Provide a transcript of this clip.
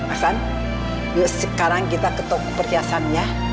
aksan yuk sekarang kita ke toko perhiasannya